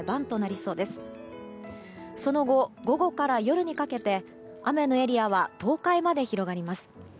その後、午後から夜にかけて雨のエリアは東海まで広がります。